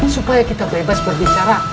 supaya kita bebas berbicara